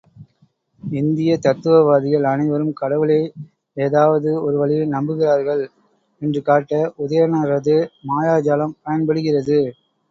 இந்திய தத்துவவாதிகள் அனைவரும் கடவுளே ஏதாவது ஒரு வழியில் நம்புகிறார்கள் என்று காட்ட உதயணரது மாயாஜாலம் பயன்படுகிறது.